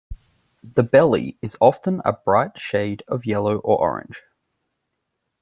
The belly is often a bright shade of yellow or orange.